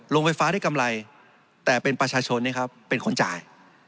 ลงไฟฟ้าได้กำไรแต่เป็นประชาชนเป็นคนจ่าย